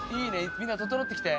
みんなととのってきて。